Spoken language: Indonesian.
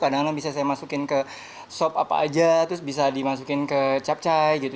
kadang kadang bisa saya masukin ke sop apa aja terus bisa dimasukin ke capcai gitu